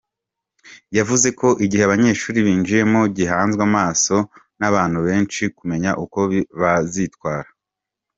Yavuze ko igihe abanyeshuri binjiyemo gihanzwe amaso n’abantu benshi kumenya uko bazitwara.